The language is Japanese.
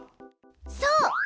そう。